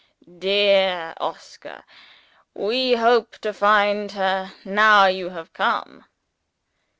"Dear Oscar, we hope to find her, now you have come."